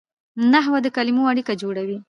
نحوه د کلیمو اړیکه جوړوي.